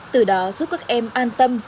từ đó giúp các em an tâm